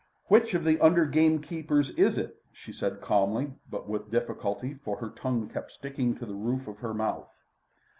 "Which of the under gamekeepers is it?" she said calmly but with difficulty, for her tongue kept sticking to the roof of her mouth.